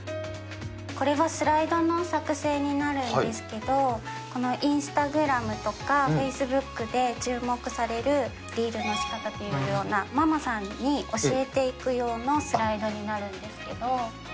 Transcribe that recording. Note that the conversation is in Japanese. これはスライドの作成になるんですけど、このインスタグラムとかフェイスブックで注目されるリールのしかたというような、ママさんに教えていく用のスライドになるんですけど。